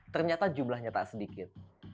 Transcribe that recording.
ternyata jumlahnya tak sedikit